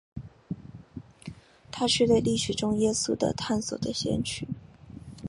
他是对历史中耶稣的探索的先驱。